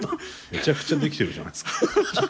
めちゃくちゃ元気じゃないですか。